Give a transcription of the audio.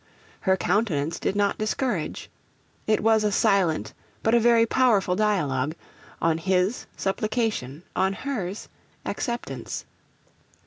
Her countenance did not discourage. It was a silent but a very powerful dialogue; on his supplication, on hers acceptance.